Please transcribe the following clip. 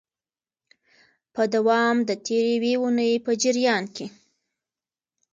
په دوام د تیري یوې اونۍ په جریان کي